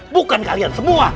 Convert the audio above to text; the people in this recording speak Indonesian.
bukan kalian semua